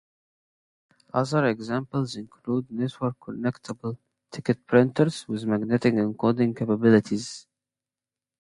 Other examples include network connectable ticket printers with magnetic encoding capabilities.